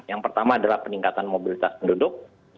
yang pertama adalah peningkatan mobilitas penduduk